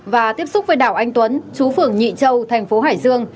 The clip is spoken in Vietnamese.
và tiếp xúc với đảo anh tuấn chú phường nhị châu tp hải dương